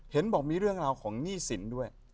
เห็นบอกมีเรื่องราวของหนี้สินด้วย